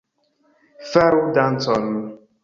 Faru dancon